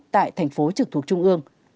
tại thành phố trực thuộc trung ương